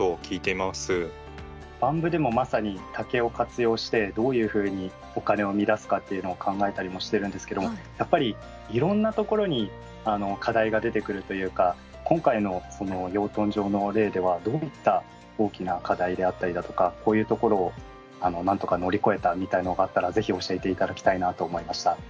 ＢＡＭ部でもまさに竹を活用してどういうふうにお金を生み出すかっていうのを考えたりもしてるんですけどやっぱりいろんなところに課題が出てくるというか今回の養豚場の例ではどういった大きな課題であったりだとかこういうところをなんとか乗り越えたみたいのがあったら是非教えていただきたいなと思いました。